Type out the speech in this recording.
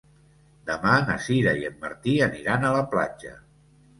Demà na Sira i en Martí aniran a la platja.